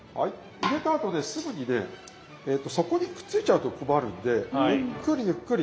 入れたあとねすぐにね底にくっついちゃうと困るんでゆっくりゆっくり。